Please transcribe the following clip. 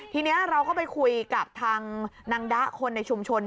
ทีนี้เราก็ไปคุยกับทางนางดะคนในชุมชน